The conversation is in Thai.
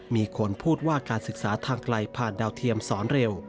มีคนพูดว่าการศึกษาทางไกลผ่านดาวเทียมสอนเร็ว